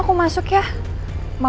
aku habis ketemu temen aku sayang